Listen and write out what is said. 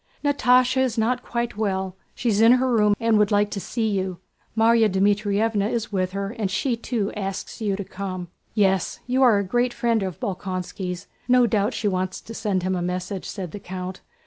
"Natásha is not quite well; she's in her room and would like to see you. Márya Dmítrievna is with her and she too asks you to come." "Yes, you are a great friend of Bolkónski's, no doubt she wants to send him a message," said the count.